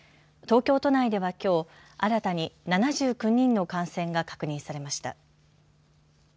東京都内ではきょう新たに７９人の感染が確認されました。